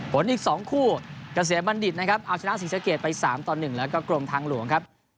อีก๒คู่เกษียณบัณฑิตนะครับเอาชนะศรีสะเกดไป๓ต่อ๑แล้วก็กรมทางหลวงครับ